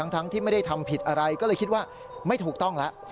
ทั้งที่ไม่ได้ทำผิดอะไรก็เลยคิดว่าไม่ถูกต้องแล้ว